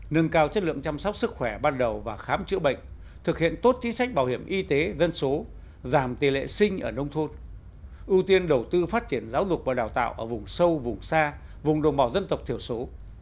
nâng cao chất lượng chăm sóc sức khỏe ban đầu và khám chữa bệnh thực hiện tốt chính sách bảo hiểm y tế dân số giảm tỷ lệ sinh ở nông thôn ưu tiên đầu tư phát triển giáo dục và đào tạo ở vùng sâu vùng xa vùng đồng bào dân tộc thiểu số